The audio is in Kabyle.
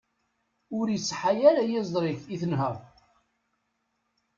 Ur iṣeḥḥa ara yiẓri-k i tenherk.